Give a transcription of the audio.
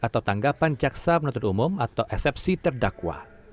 atau tanggapan jaksa penuntut umum atau eksepsi terdakwa